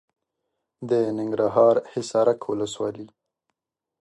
د ننګرهار حصارک ولسوالي .